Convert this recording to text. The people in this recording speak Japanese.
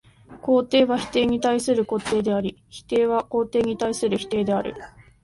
肯定は否定に対する肯定であり、否定は肯定に対する否定である。